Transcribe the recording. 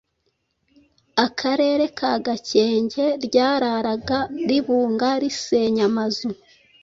Akarere ka Gakenke ryararaga ribunga risenya amazu.